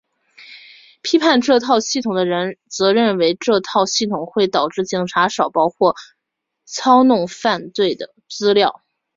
批评这套系统的人则认为这套系统会导致警察少报或操弄犯罪的资料。